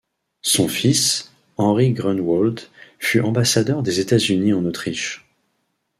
Son fils Henry Grunwald fut ambassadeur des États-Unis en Autriche.